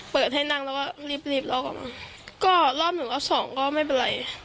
เปิดให้นั่งแล้วก็รีบรีบล็อกออกมาก็รอบหนึ่งโรปสองก็ไม่เป็นไร